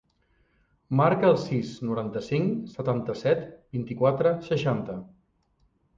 Marca el sis, noranta-cinc, setanta-set, vint-i-quatre, seixanta.